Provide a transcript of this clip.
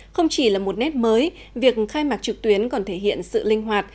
không chỉ là một nét mới việc khai mạc trực tuyến còn thể hiện sự linh hoạt